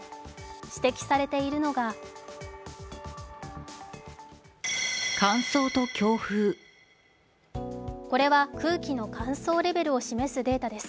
指摘されているのがこれは空気の乾燥レベルを示すデータです。